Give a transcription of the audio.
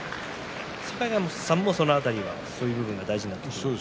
境川さんもその辺りはそういう部分が大事になると思いますか？